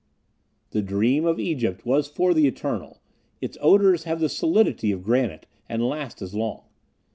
The Dream of Egypt was for the Eternal; its odors have the solidity of granite, and last as long.